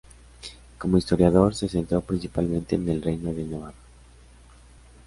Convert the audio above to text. Como historiador, se centró principalmente en el Reino de Navarra.